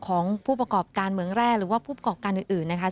ของผู้ประกอบการเมืองแร่หรือว่าผู้ประกอบการอื่นนะคะ